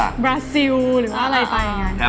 แบบเวรานซิลถูกหรือว่าอะไรไปง่อน